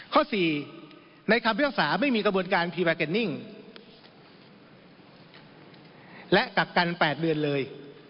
ข้อ๔ในคำพิพากษาไม่มีกระบวนการพีพาร์เก็นิ่งและกักกัน๘เดือนเลย